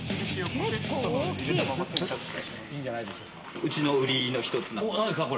うちの売りの１つの。